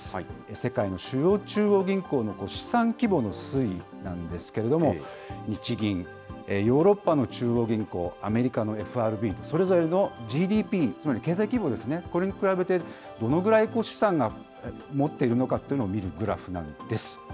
世界の主要中央銀行の資産規模の推移なんですけれども、日銀、ヨーロッパの中央銀行、アメリカのＦＲＢと、それぞれのＧＤＰ、つまり経済規模ですね、これに比べて、どのぐらい資産を持っているのかというのを見るグラフなんです。